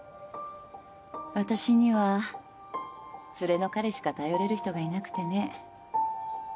私には連れの彼しか頼れる人がいなくてね。